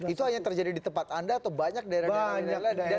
itu hanya terjadi di tempat anda atau banyak daerah daerah lain